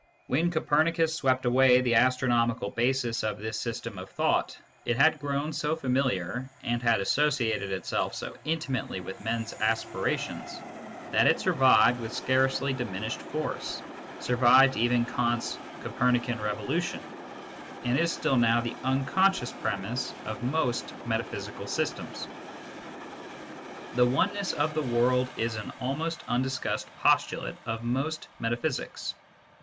When Copernicus swept away the astrono mical basis of this system of thought, it had grown so familiar, and had associated itself so intimately with men s aspirations, that it survived with scarcely diminished force survived even Kant s " Copernican revolution," and is still now the unconscious premiss of most meta physical systems. The oneness of the world is an almost undiscussed postulate of most metaphysics.